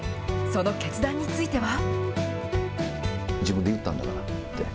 その決断については。